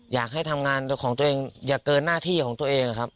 อยากให้ทำงานของตัวเองอย่าเกินหน้าที่ของตัวเองครับ